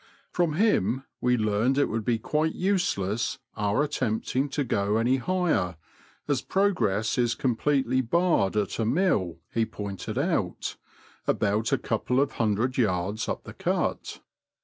From him we learned it would be quite useless our attempting to go any higher, as progress is completely barred at a mill he pointed out, about a couple of hundred yards up the Cut.